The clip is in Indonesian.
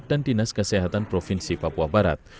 dan dinas kesehatan provinsi papua barat